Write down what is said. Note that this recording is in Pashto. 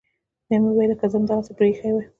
بيا مې وويل که زه دې هماغسې پريښى واى.